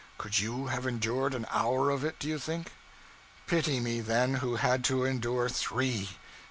Could you have endured an hour of it, do you think? Pity me, then, who had to endure three.